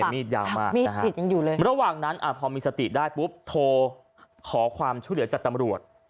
มีดยาวมากมีดยังอยู่เลยระหว่างนั้นพอมีสติได้ปุ๊บโทรขอความช่วยเหลือจากตำรวจ